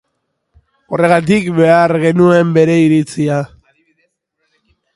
Horregatik behar genuen bere iritzia.